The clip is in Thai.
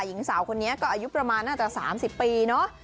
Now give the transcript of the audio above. หญิงสาวคนนี้ก็อายุประมาณน่าจะ๓๐ปีเนอะ